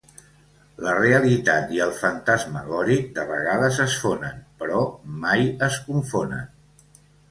La realitat i el fantasmagòric de vegades es fonen, però mai es confonen.